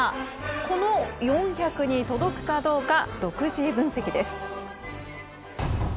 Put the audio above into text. この４００に届くかどうか独自分析です。